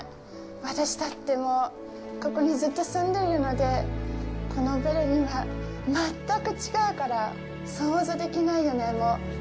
私だって、ここにずっと住んでいるので、このベルリンは全く違うから想像できないよね。